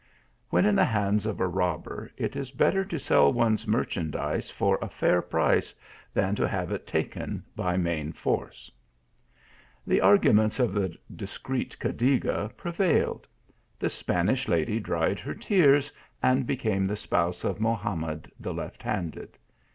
When in the hands of a robber, it is better to sell one s merchandise for a fair price, than to have it taken by main force." The arguments of the discreet Cadiga prevailed. The Spanish lady dried her tears and became the spouse of Mohamed the left handed.